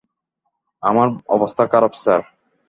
আমার অবস্থা খারাপ স্যার।